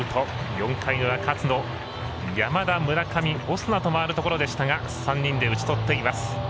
４回の裏、勝野山田、村上、オスナと回るところでしたが３人で打ち取っています。